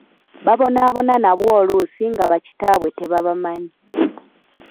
Babonaabona nabwo oluusi nga ba kitaabwe tebabamanyi.